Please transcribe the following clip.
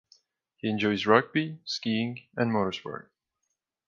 He enjoys rugby, skiing and motorsport.